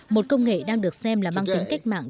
một công nghệ đang được xem là mang tính cách mạng